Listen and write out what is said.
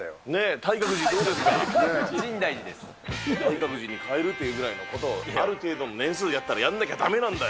体格寺に変えるというぐらいのことを、ある程度年数やったらやんなきゃだめなんだよ。